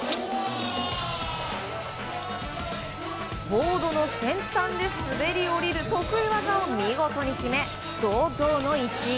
ボードの先端で滑り降りる得意技を見事に決め堂々の１位。